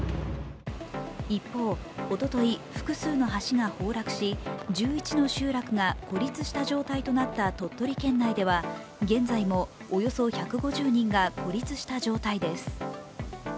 一方、おととい、複数の橋が崩落し１１の集落が孤立した状態となった鳥取県内では現在もおよそ１５０人が孤立した状態です。